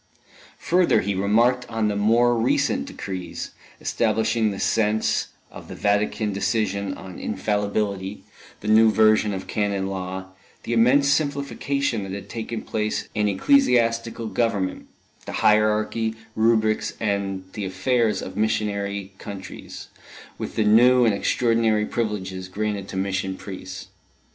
Further, he remarked on the more recent decrees, establishing the sense of the Vatican decision on infallibility, the new version of Canon Law, the immense simplification that had taken place in ecclesiastical government, the hierarchy, rubrics and the affairs of missionary countries, with the new and extraordinary privileges granted to mission priests.